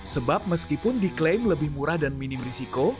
sebab meskipun diklaim lebih murah dan minim risiko